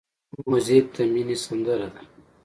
موزیک د مینې سندره ده.